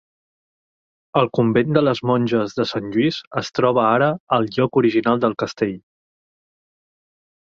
El Convent de les Monges de Sant Lluís es troba ara al lloc original del castell.